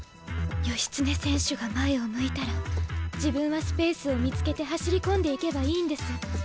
義経選手が前を向いたら自分はスペースを見つけて走り込んでいけばいいんです。